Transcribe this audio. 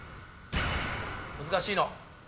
難しいの。